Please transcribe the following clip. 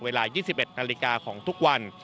เวลา๒๑นาฬิกาของทุกวัน